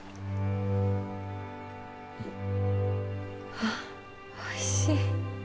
はあおいしい。